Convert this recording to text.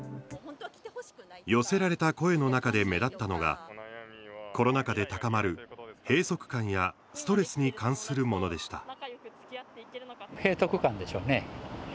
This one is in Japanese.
寄せられた声の中で目立ったのがコロナ禍で高まる閉塞感やストレスに関するものでした。